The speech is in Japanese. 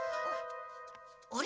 あれ？